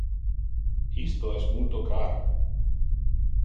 Isto es multo car.